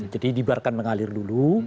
jadi dibiarkan mengalir dulu